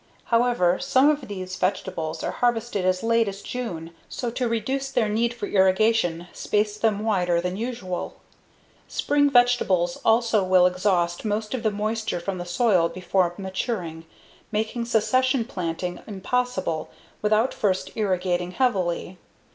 However, some of these vegetables are harvested as late as June, so to reduce their need for irrigation, space them wider than usual. Spring vegetables also will exhaust most of the moisture from the soil before maturing, making succession planting impossible without first irrigating heavily.